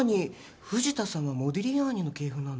藤田さんはモディリアーニの系譜なんだ。